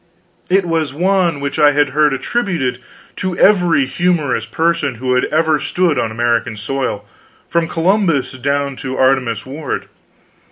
It was one which I had heard attributed to every humorous person who had ever stood on American soil, from Columbus down to Artemus Ward.